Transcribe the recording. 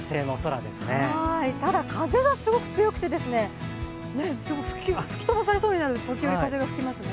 ただ風がすごく強くて吹き飛ばされそうになる風が吹きますね。